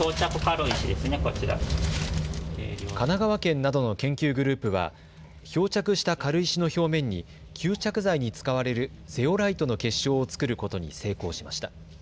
神奈川県などの研究グループは漂着した軽石の表面に吸着材に使われる、ゼオライトの結晶を作ることに成功しました。